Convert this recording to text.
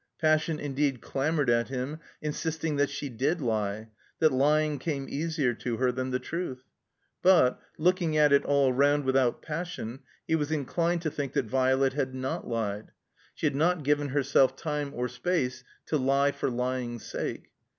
Passion indeed clamored at him, insisting that she did lie, that lying came easier to her than the truth. But, looking at it all roimd without passion, he was inclined to think that Violet had not Ued. She had not given herself time or space to lie for lying's sake.